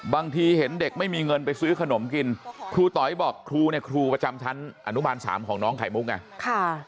บางทีเห็นเด็กไม่มีเงินไปซื้อขนมกินครูต๋อยบอกครูเนี่ยครูประจำชั้นอนุบาล๓ของน้องไข่มุกไง